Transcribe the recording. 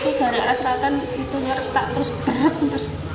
terus saya juga tertimpa enggak tahu